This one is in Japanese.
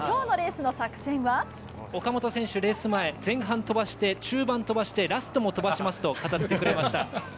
岡本選手、レース前、前半飛ばして、中盤飛ばして、ラストも飛ばしますと語ってくれました。